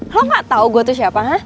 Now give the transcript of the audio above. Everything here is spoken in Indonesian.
lo gak tau gue tuh siapa kan